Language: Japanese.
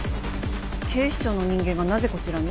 警視庁の人間がなぜこちらに？